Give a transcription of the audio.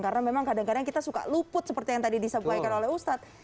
karena memang kadang kadang kita suka luput seperti yang tadi disabuhaikan oleh ustadz